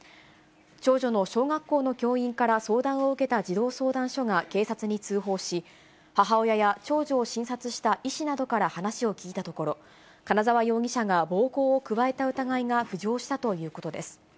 長女の小学校の教員から相談を受けた児童相談所が警察に通報し、母親や長女を診察した医師などから話を聞いたところ、金沢容疑者が暴行を加えた疑いが浮上したということです。